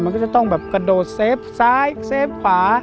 มันก็จะต้องกระโดดเซฟทรายเซฟขา